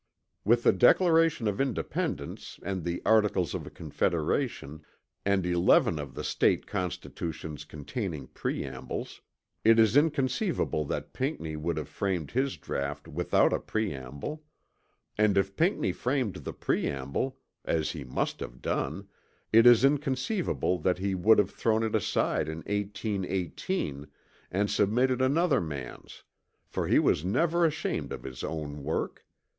With the Declaration of Independence and the Articles of Confederation and eleven of the State constitutions containing preambles, it is inconceivable that Pinckney would have framed his draught without a preamble; and if Pinckney framed the preamble, as he must have done, it is inconceivable that he would have thrown it aside in 1818 and substituted another man's, for he was never ashamed of his own work.